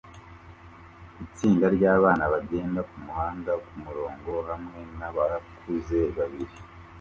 Itsinda ryabana bagenda kumuhanda kumurongo hamwe nabakuze babiri